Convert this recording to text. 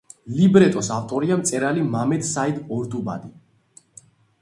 ლიბრეტოს ავტორია მწერალი მამედ საიდ ორდუბადი.